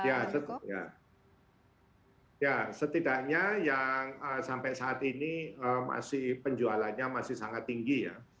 ya setidaknya yang sampai saat ini masih penjualannya masih sangat tinggi ya